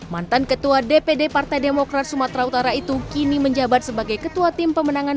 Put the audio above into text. mantan ketua dpd partai demokrat sumatera utara itu kini menjabat sebagai ketua tim pemenangan